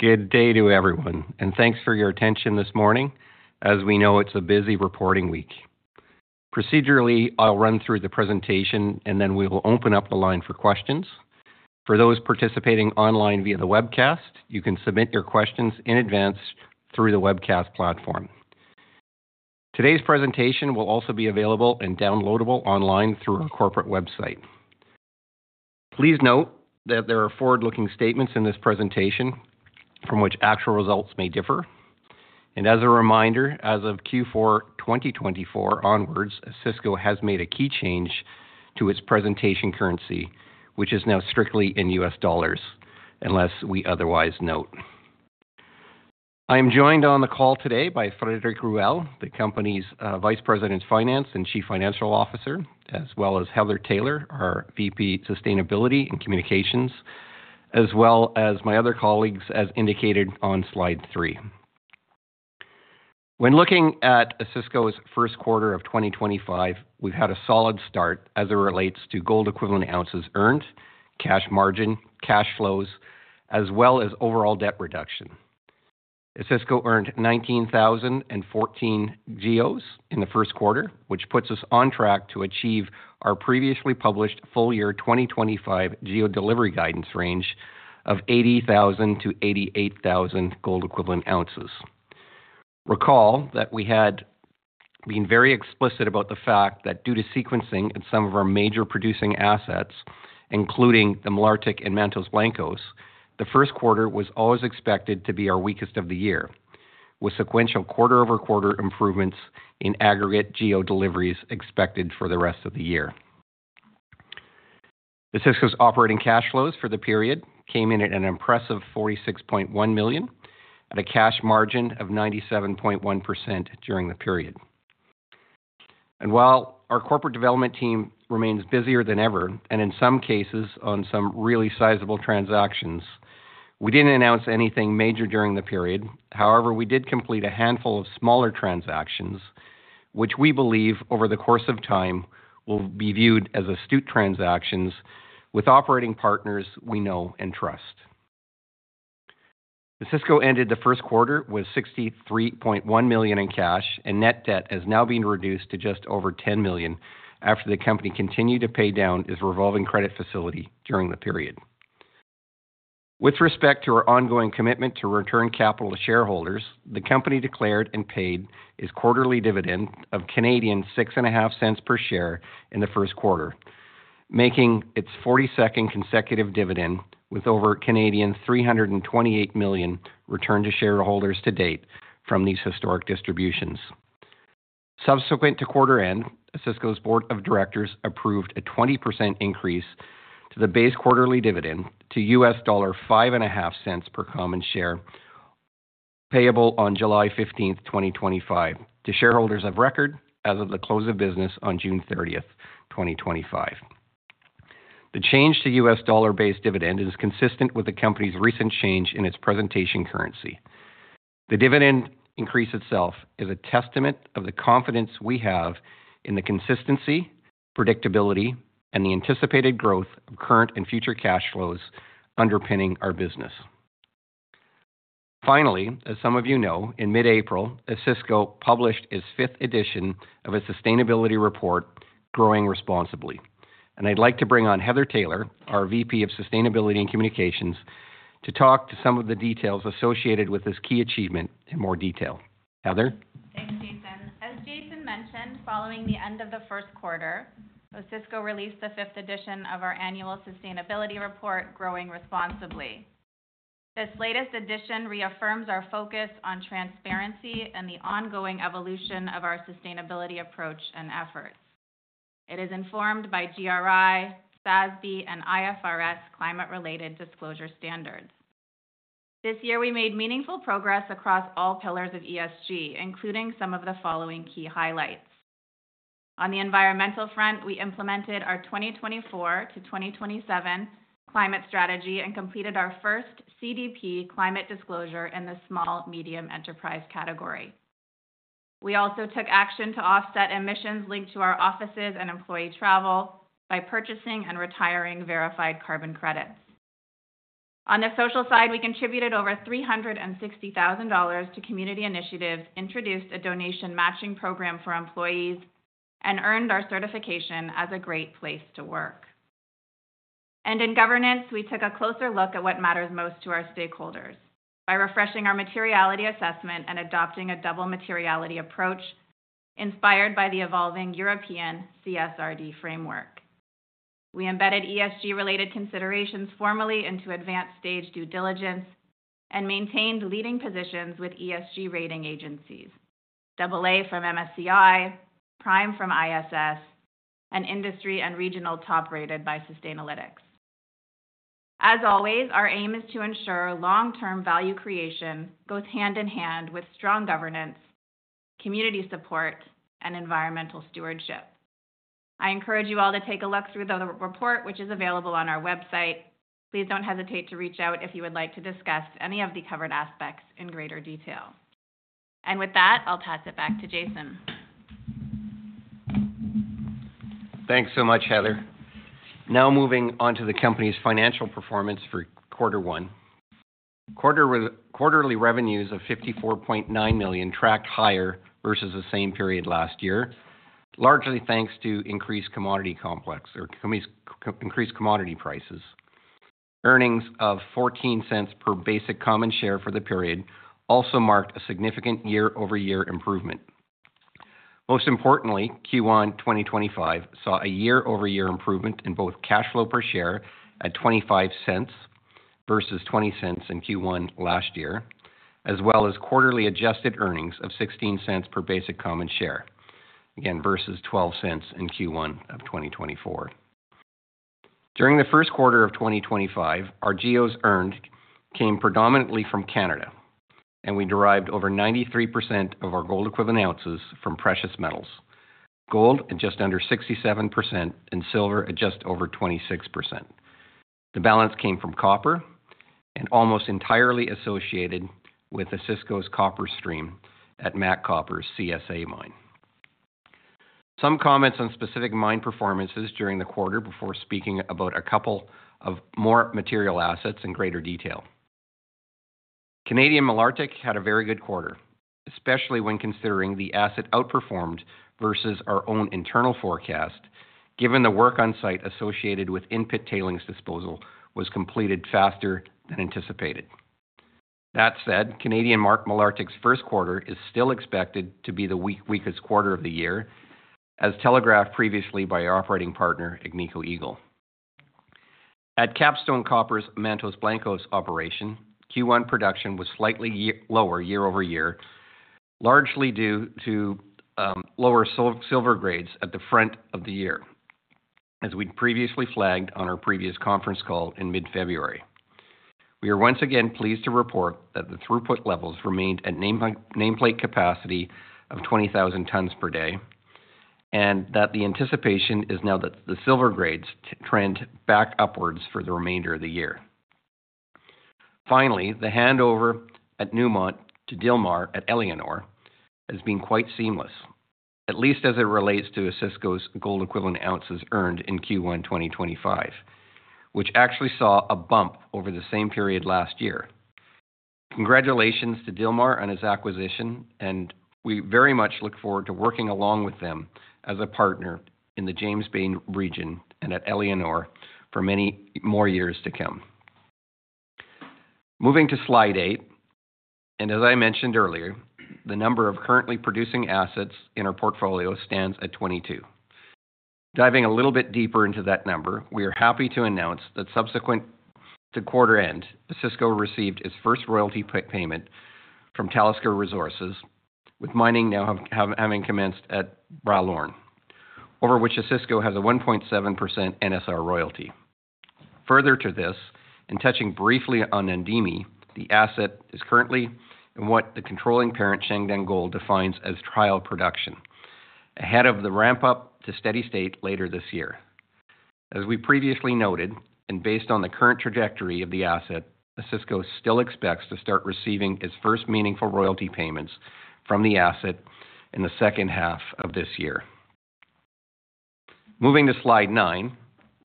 Good day to everyone, and thanks for your attention this morning. As we know, it is a busy reporting week. Procedurally, I will run through the presentation, and then we will open up the line for questions. For those participating online via the webcast, you can submit your questions in advance through the webcast platform. Today's presentation will also be available and downloadable online through our corporate website. Please note that there are forward-looking statements in this presentation from which actual results may differ. As a reminder, as of Q4 2024 onwards, Osisko has made a key change to its presentation currency, which is now strictly in U.S. dollars, unless we otherwise note. I am joined on the call today by Frédéric Ruel, the company's Vice President of Finance and Chief Financial Officer, as well as Heather Taylor, our Vice President of Sustainability and Communications, as well as my other colleagues, as indicated on slide three. When looking at Osisko's first quarter of 2025, we've had a solid start as it relates to gold-equivalent ounces earned, cash margin, cash flows, as well as overall debt reduction. Osisko earned 19,014 GEOs in the first quarter, which puts us on track to achieve our previously published full-year 2025 GEO delivery guidance range of 80,000-88,000 gold-equivalent ounces. Recall that we had been very explicit about the fact that due to sequencing in some of our major producing assets, including the Canadian Malartic and Mantos Blancos, the first quarter was always expected to be our weakest of the year, with sequential quarter-over-quarter improvements in aggregate GEO deliveries expected for the rest of the year. Osisko's operating cash flows for the period came in at 46.1 million at a cash margin of 97.1% during the period. While our corporate development team remains busier than ever, and in some cases on some really sizable transactions, we did not announce anything major during the period. However, we did complete a handful of smaller transactions, which we believe over the course of time will be viewed as astute transactions with operating partners we know and trust. Osisko ended the first quarter with 63.1 million in cash, and net debt has now been reduced to just over 10 million after the company continued to pay down its revolving credit facility during the period. With respect to our ongoing commitment to return capital to shareholders, the company declared and paid its quarterly dividend of 0.065 per share in the first quarter, making its 42nd consecutive dividend with over 328 million returned to shareholders to date from these historic distributions. Subsequent to quarter end, Osisko's board of directors approved a 20% increase to the base quarterly dividend to $0.055 per common share, payable on July 15th, 2025, to shareholders of record as of the close of business on June 30th, 2025. The change to U.S. dollar-based dividend is consistent with the company's recent change in its presentation currency. The dividend increase itself is a testament of the confidence we have in the consistency, predictability, and the anticipated growth of current and future cash flows underpinning our business. Finally, as some of you know, in mid-April, Osisko published its fifth edition of its sustainability report, Growing Responsibly. I would like to bring on Heather Taylor, our Vice President of Sustainability and Communications, to talk to some of the details associated with this key achievement in more detail. Heather. Thanks, Jason. As Jason mentioned, following the end of the first quarter, Osisko released the fifth edition of our annual sustainability report, Growing Responsibly. This latest edition reaffirms our focus on transparency and the ongoing evolution of our sustainability approach and efforts. It is informed by GRI, SASB, and IFRS climate-related disclosure standards. This year, we made meaningful progress across all pillars of ESG, including some of the following key highlights. On the environmental front, we implemented our 2024 to 2027 climate strategy and completed our first CDP climate disclosure in the small-medium enterprise category. We also took action to offset emissions linked to our offices and employee travel by purchasing and retiring verified carbon credits. On the social side, we contributed over 360,000 dollars to community initiatives, introduced a donation matching program for employees, and earned our certification as a great place to work. In governance, we took a closer look at what matters most to our stakeholders by refreshing our materiality assessment and adopting a double materiality approach inspired by the evolving European CSRD framework. We embedded ESG-related considerations formally into advanced stage due diligence and maintained leading positions with ESG rating agencies, AA from MSCI, Prime from ISS, and industry and regional top-rated by Sustainalytics. As always, our aim is to ensure long-term value creation goes hand in hand with strong governance, community support, and environmental stewardship. I encourage you all to take a look through the report, which is available on our website. Please do not hesitate to reach out if you would like to discuss any of the covered aspects in greater detail. With that, I will pass it back to Jason. Thanks so much, Heather. Now moving on to the company's financial performance for quarter one. Quarterly revenues of 54.9 million tracked higher versus the same period last year, largely thanks to increased commodity complex or increased commodity prices. Earnings of $0.14 per basic common share for the period also marked a significant year-over-year improvement. Most importantly, Q1 2025 saw a year-over-year improvement in both cash flow per share at $0.25 versus $0.20 in Q1 last year, as well as quarterly adjusted earnings of $0.16 per basic common share, again versus $0.12 in Q1 of 2024. During the first quarter of 2025, our GEOs earned came predominantly from Canada, and we derived over 93% of our gold-equivalent ounces from precious metals. Gold at just under 67% and silver at just over 26%. The balance came from copper and almost entirely associated with Osisko's copper stream at Capstone Copper's CSA mine. Some comments on specific mine performances during the quarter before speaking about a couple of more material assets in greater detail. Canadian Malartic had a very good quarter, especially when considering the asset outperformed versus our own internal forecast, given the work on site associated with in-pit tailings disposal was completed faster than anticipated. That said, Canadian Malartic's first quarter is still expected to be the weakest quarter of the year, as telegraphed previously by our operating partner, Agnico Eagle. At Capstone Copper's Mantos Blancos Operation, Q1 production was slightly lower year-over-year, largely due to lower silver grades at the front of the year, as we previously flagged on our previous conference call in mid-February. We are once again pleased to report that the throughput levels remained at nameplate capacity of 20,000 tons per day, and that the anticipation is now that the silver grades trend back upwards for the remainder of the year. Finally, the handover at Newmont to Dhilmar at Éléonore has been quite seamless, at least as it relates to Osisko's gold-equivalent ounces earned in Q1 2025, which actually saw a bump over the same period last year. Congratulations to Dhilmar on its acquisition, and we very much look forward to working along with them as a partner in the James Bay region and at Éléonore for many more years to come. Moving to slide eight, and as I mentioned earlier, the number of currently producing assets in our portfolio stands at 22. Diving a little bit deeper into that number, we are happy to announce that subsequent to quarter end, Osisko received its first royalty payment from Talisker Resources, with mining now having commenced at Bralorne, over which Osisko has a 1.7% NSR royalty. Further to this, and touching briefly on Namdini, the asset is currently in what the controlling parent Shandong Gold defines as trial production, ahead of the ramp-up to steady state later this year. As we previously noted, and based on the current trajectory of the asset, Osisko still expects to start receiving its first meaningful royalty payments from the asset in the second half of this year. Moving to slide nine,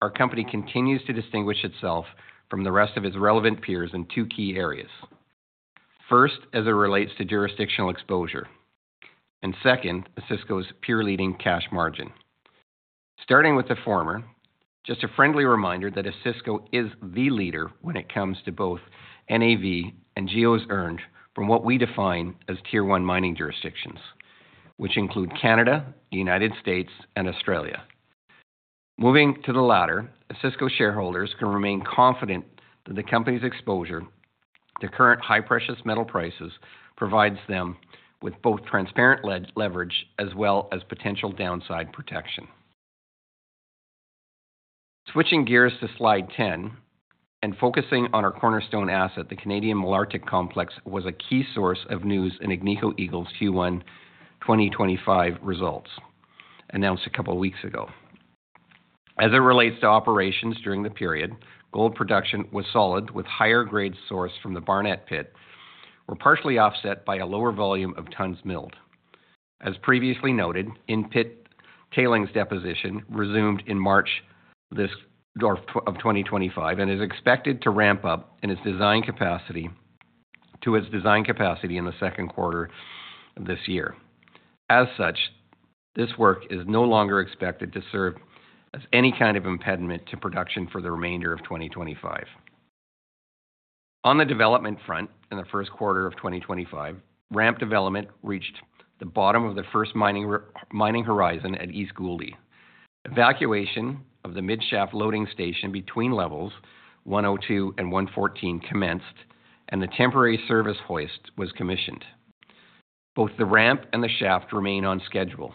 our company continues to distinguish itself from the rest of its relevant peers in two key areas. First, as it relates to jurisdictional exposure, and second, Osisko's peer-leading cash margin. Starting with the former, just a friendly reminder that Osisko is the leader when it comes to both NAV and GEOs earned from what we define as tier one mining jurisdictions, which include Canada, the U.S., and Australia. Moving to the latter, Osisko shareholders can remain confident that the company's exposure to current high precious metal prices provides them with both transparent leverage as well as potential downside protection. Switching gears to slide 10 and focusing on our cornerstone asset, the Canadian Malartic Complex was a key source of news in Agnico Eagle's Q1 2025 results, announced a couple of weeks ago. As it relates to operations during the period, gold production was solid with higher grade source from the Barnat pit, partially offset by a lower volume of tons milled. As previously noted, in-pit tailings deposition resumed in March of 2025 and is expected to ramp up to its design capacity in the second quarter of this year. As such, this work is no longer expected to serve as any kind of impediment to production for the remainder of 2025. On the development front, in the first quarter of 2025, ramp development reached the bottom of the first mining horizon at East Gouldy. Excavation of the mid-shaft loading station between levels 102 and 114 commenced, and the temporary service hoist was commissioned. Both the ramp and the shaft remain on schedule.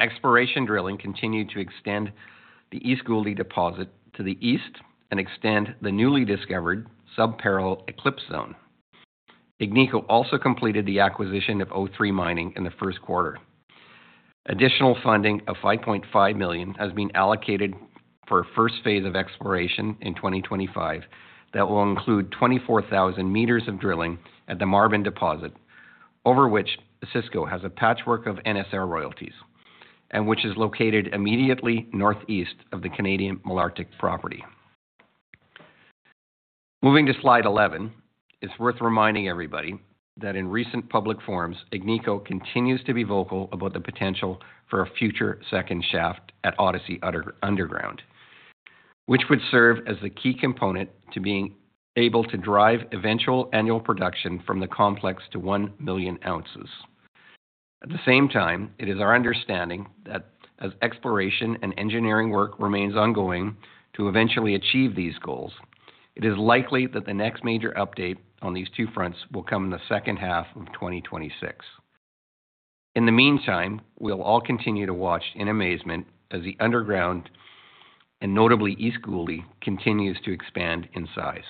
Exploration drilling continued to extend the East Gouldy deposit to the east and extend the newly discovered sub-parallel Eclipse zone. Agnico Eagle also completed the acquisition of O3 Mining in the first quarter. Additional funding of 5.5 million has been allocated for a first phase of exploration in 2025 that will include 24,000 meters of drilling at the Marvin Deposit, over which Osisko has a patchwork of NSR royalties, and which is located immediately northeast of the Canadian Malartic property. Moving to slide 11, it is worth reminding everybody that in recent public forums, Agnico continues to be vocal about the potential for a future second shaft at Odyssey Underground, which would serve as the key component to being able to drive eventual annual production from the complex to 1 million ounces. At the same time, it is our understanding that as exploration and engineering work remains ongoing to eventually achieve these goals, it is likely that the next major update on these two fronts will come in the second half of 2026. In the meantime, we'll all continue to watch in amazement as the underground, and notably East Gouldy, continues to expand in size.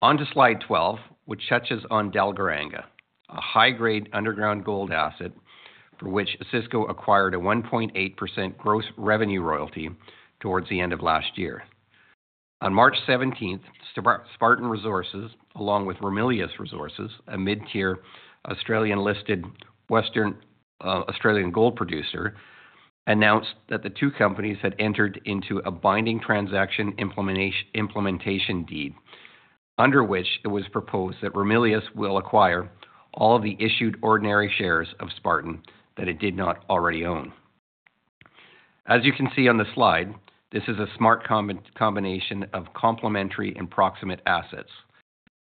On to slide 12, which touches on Dalgaranga, a high-grade underground gold asset for which Osisko acquired a 1.8% gross revenue royalty towards the end of last year. On March 17, Spartan Resources, along with Ramelius Resources, a mid-tier Australian-listed Western Australian gold producer, announced that the two companies had entered into a binding transaction implementation deed, under which it was proposed that Ramelius will acquire all of the issued ordinary shares of Spartan that it did not already own. As you can see on the slide, this is a smart combination of complementary and proximate assets,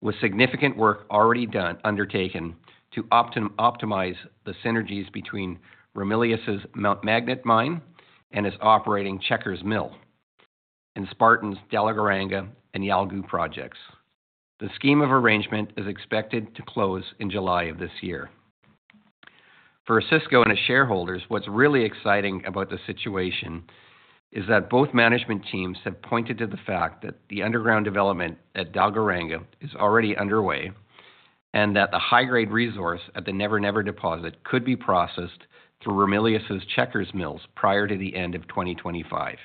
with significant work already undertaken to optimize the synergies between Ramelius's Mount Magnet mine and its operating Checkers Mill, and Spartan's Dalgaranga and Yalgoo projects. The scheme of arrangement is expected to close in July of this year. For Osisko and its shareholders, what's really exciting about the situation is that both management teams have pointed to the fact that the underground development at Dalgaranga is already underway and that the high-grade resource at the Never Never Deposit could be processed through Ramelius's Checkers Mills prior to the end of 2025.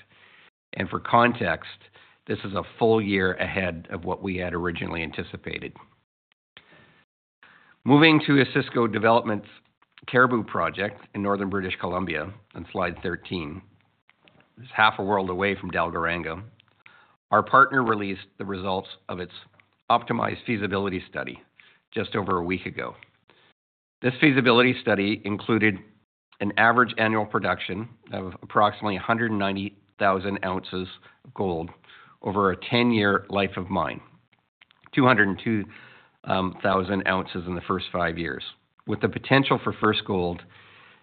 For context, this is a full year ahead of what we had originally anticipated. Moving to Osisko Development Cariboo project in northern British Columbia, on slide 13, half a world away from Dalgaranga, our partner released the results of its optimized feasibility study just over a week ago. This feasibility study included an average annual production of approximately 190,000 ounces of gold over a 10-year life of mine, 202,000 ounces in the first five years, with the potential for first gold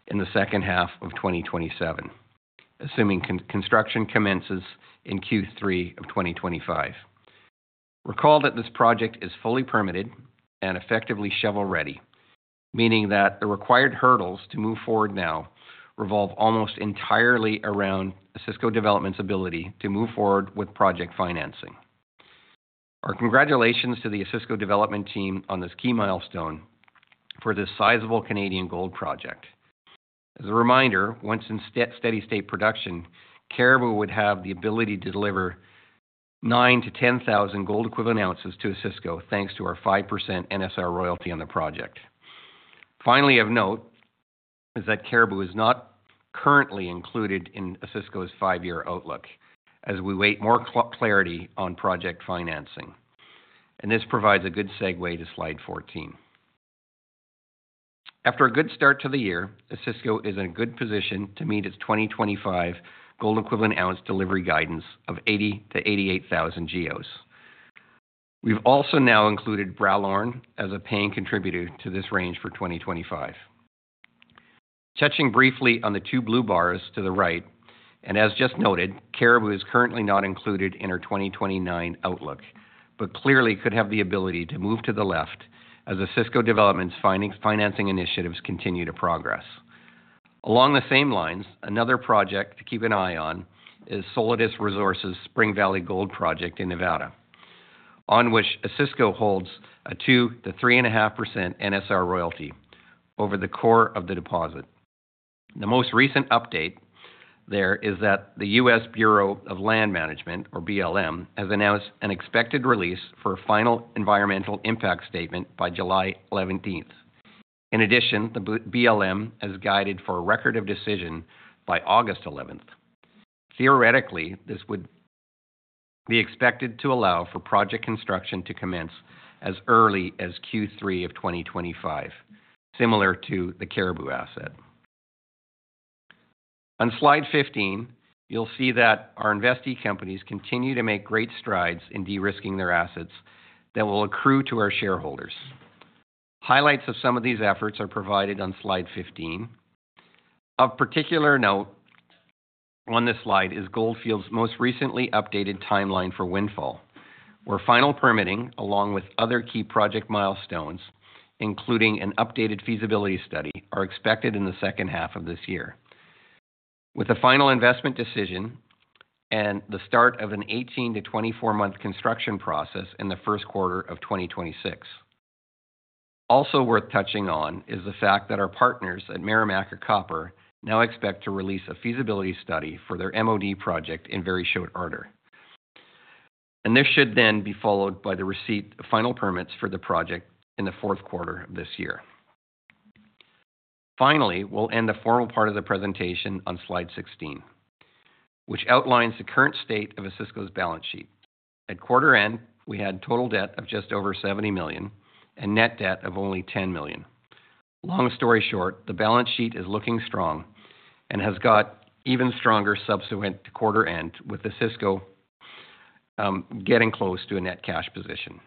in the second half of 2027, assuming construction commences in Q3 of 2025. Recall that this project is fully permitted and effectively shovel-ready, meaning that the required hurdles to move forward now revolve almost entirely around Osisko Development's ability to move forward with project financing. Our congratulations to the Osisko Development team on this key milestone for this sizable Canadian gold project. As a reminder, once in steady state production, Caribou would have the ability to deliver 9,000-10,000 gold-equivalent ounces to OR Royalties, thanks to our 5% NSR royalty on the project. Finally, of note is that Caribou is not currently included in OR Royalties' five-year outlook as we wait more clarity on project financing. This provides a good segue to slide 14. After a good start to the year, Osisko is in a good position to meet its 2025 gold-equivalent ounce delivery guidance of 80,000-88,000 GEOs. We've also now included Bralorne as a paying contributor to this range for 2025. Touching briefly on the two blue bars to the right, and as just noted, Caribou is currently not included in our 2029 outlook, but clearly could have the ability to move to the left as Osisko Development's financing initiatives continue to progress. Along the same lines, another project to keep an eye on is Solitario Resources' Spring Valley Gold Project in Nevada, on which Osisko holds a 2%-3.5% NSR royalty over the core of the deposit. The most recent update there is that the U.S. Bureau of Land Management, or BLM, has announced an expected release for a final environmental impact statement by July 11th. In addition, the BLM has guided for a Record of Decision by August 11th. Theoretically, this would be expected to allow for project construction to commence as early as Q3 of 2025, similar to the Caribou asset. On slide 15, you'll see that our investee companies continue to make great strides in de-risking their assets that will accrue to our shareholders. Highlights of some of these efforts are provided on slide 15. Of particular note on this slide is Gold Fields' most recently updated timeline for Windfall, where final permitting, along with other key project milestones, including an updated feasibility study, are expected in the second half of this year, with a final investment decision and the start of an 18-24 month construction process in the first quarter of 2026. Also worth touching on is the fact that our partners at Marimaca Copper now expect to release a feasibility study for their MOD project in very short order. This should then be followed by the receipt of final permits for the project in the fourth quarter of this year. Finally, we'll end the formal part of the presentation on slide 16, which outlines the current state of Osisko's balance sheet. At quarter end, we had total debt of just over 70 million and net debt of only 10 million. Long story short, the balance sheet is looking strong and has got even stronger subsequent to quarter end, with Osisko getting close to a net cash position.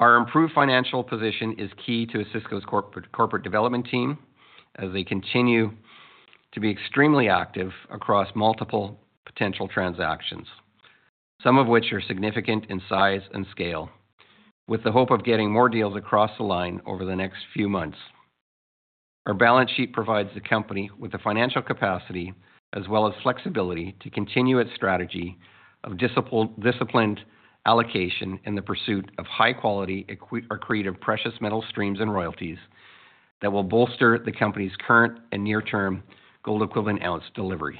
Our improved financial position is key to Osisko's corporate development team as they continue to be extremely active across multiple potential transactions, some of which are significant in size and scale, with the hope of getting more deals across the line over the next few months. Our balance sheet provides the company with the financial capacity as well as flexibility to continue its strategy of disciplined allocation in the pursuit of high-quality or creative precious metal streams and royalties that will bolster the company's current and near-term gold-equivalent ounce deliveries,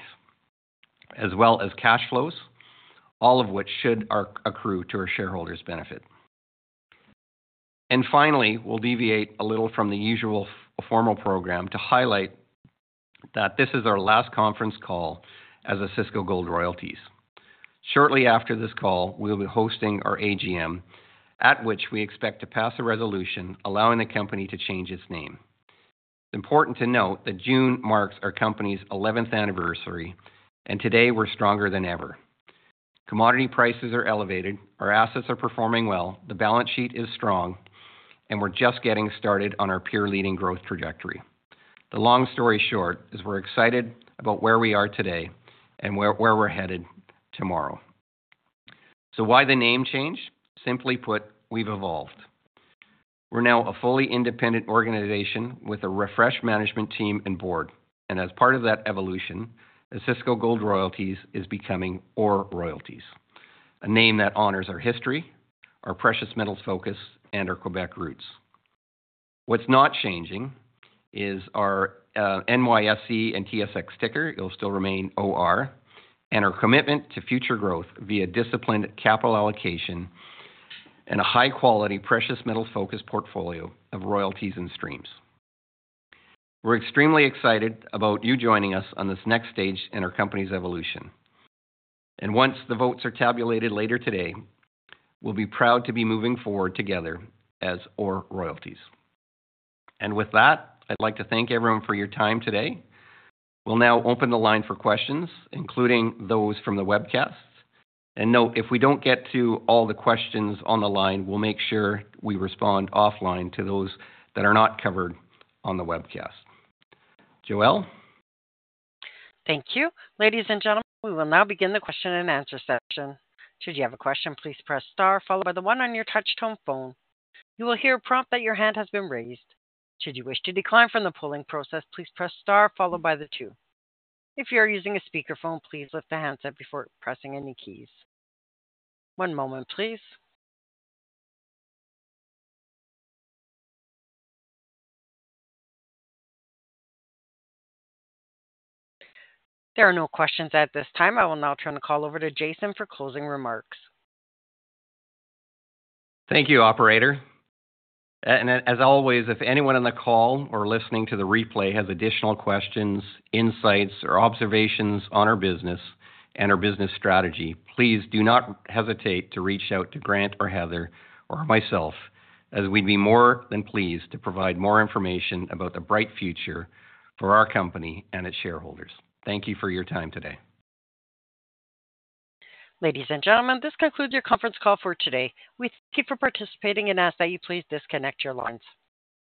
as well as cash flows, all of which should accrue to our shareholders' benefit. Finally, we'll deviate a little from the usual formal program to highlight that this is our last conference call as Osisko Gold Royalties. Shortly after this call, we'll be hosting our AGM, at which we expect to pass a resolution allowing the company to change its name. It's important to note that June marks our company's 11th anniversary, and today we're stronger than ever. Commodity prices are elevated, our assets are performing well, the balance sheet is strong, and we're just getting started on our peer-leading growth trajectory. The long story short is we're excited about where we are today and where we're headed tomorrow. Why the name change? Simply put, we've evolved. We're now a fully independent organization with a refreshed management team and board. As part of that evolution, Osisko Gold Royalties is becoming OR Royalties, a name that honors our history, our precious metals focus, and our Quebec roots. What's not changing is our NYSE and TSX ticker; it'll still remain OR, and our commitment to future growth via disciplined capital allocation and a high-quality precious-metals-focus portfolio of royalties and streams. We're extremely excited about you joining us on this next stage in our company's evolution. Once the votes are tabulated later today, we'll be proud to be moving forward together as OR Royalties. With that, I'd like to thank everyone for your time today. We'll now open the line for questions, including those from the webcast. Note, if we don't get to all the questions on the line, we'll make sure we respond offline to those that are not covered on the webcast. Joelle? Thank you. Ladies and gentlemen, we will now begin the question and answer session. Should you have a question, please press star, followed by the one on your touch-tone phone. You will hear a prompt that your hand has been raised. Should you wish to decline from the polling process, please press star, followed by the two. If you are using a speakerphone, please lift the handset before pressing any keys. One moment, please. There are no questions at this time. I will now turn the call over to Jason for closing remarks. Thank you, Operator. As always, if anyone on the call or listening to the replay has additional questions, insights, or observations on our business and our business strategy, please do not hesitate to reach out to Grant or Heather or myself, as we would be more than pleased to provide more information about the bright future for our company and its shareholders. Thank you for your time today. Ladies and gentlemen, this concludes your conference call for today. We thank you for participating and ask that you please disconnect your lines.